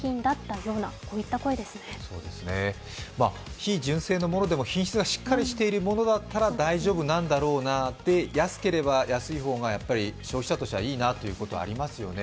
非純正のものでも品質がしっかりしているものだから大丈夫なんだろうなって安ければ安い方がやっぱり消費者としてはいいなということはありますよね。